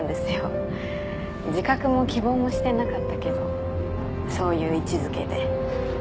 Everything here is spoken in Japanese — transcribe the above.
自覚も希望もしてなかったけどそういう位置付けで。